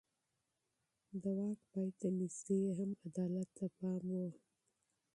د واک پای ته نږدې يې هم عدالت ته پام و.